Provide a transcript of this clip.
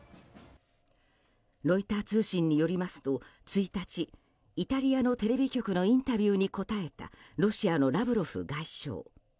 ロイター通信によりますと１日、イタリアのテレビ局のインタビューに答えたロシアのラブロフ外相。